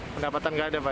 pendapatan tidak ada pak